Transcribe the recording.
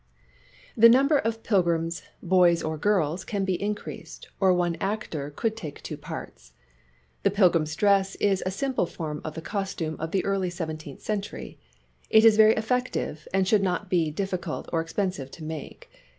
The number of pilgrims, boys or girls can be increased, or one actor could take two parts. The pilgrims' dress is a simple form of the costume of the early seventeenth century. It is very effective, and should not be difficult or expensive to make.